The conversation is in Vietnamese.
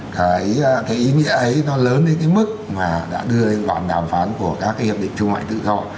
cái ý nghĩa ấy nó lớn đến cái mức mà đã đưa lên bản đàm phán của các cái hiệp định thương mại tự do